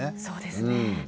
そうですね。